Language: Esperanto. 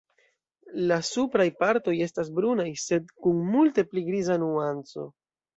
La supraj partoj estas brunaj sed kun multe pli griza nuanco.